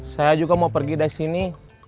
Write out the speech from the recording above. saya juga mau pergi dari sini